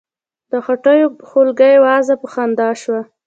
د غوټیو خولګۍ وازه په خندا شوه.